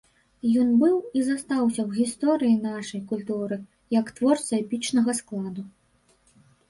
Ён быў і застаўся ў гісторыі нашай культуры як творца эпічнага складу.